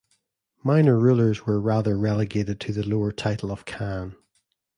Minor rulers were rather relegated to the lower title of khan.